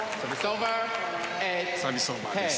サービスオーバーです。